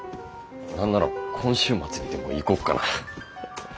何なら今週末にでも行こっかな。